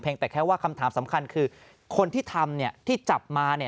เพียงแต่แค่ว่าคำถามสำคัญคือคนที่ทำเนี่ยที่จับมาเนี่ย